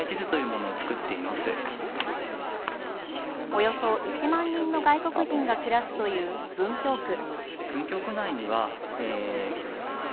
およそ１万人の外国人が暮らすという文京区。